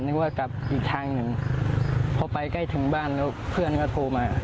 ว่ากลับอีกทางหนึ่งพอไปใกล้ถึงบ้านแล้วเพื่อนก็โทรมา